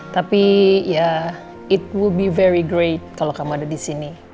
tapi ya it will be very great kalo kamu ada di sini